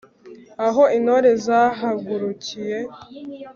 aho intore zahagurukiye